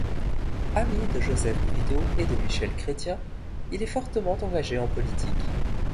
Ami de Joseph Bridau et de Michel Chrestien, il est fortement engagé en politique.